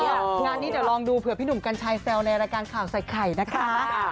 งานนี้เดี๋ยวลองดูเผื่อพี่หนุ่มกัญชัยแซวในรายการข่าวใส่ไข่นะคะ